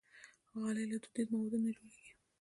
غالۍ له دودیزو موادو نه جوړېږي.